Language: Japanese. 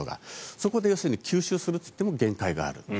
そこで要するに吸収するといっても限界がある。